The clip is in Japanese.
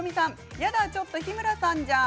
やだ、ちょっと日村さんじゃん。